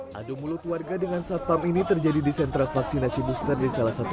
hai adu mulut warga dengan satpam ini terjadi di sentra vaksinasi booster di salah satu